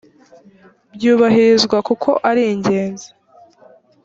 byubahirizwa kuko aringenzi.